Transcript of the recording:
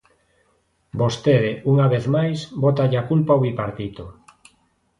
Vostede, unha vez máis, bótalle a culpa ao Bipartito.